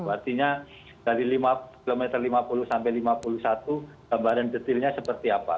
artinya dari kilometer lima puluh sampai lima puluh satu gambaran detailnya seperti apa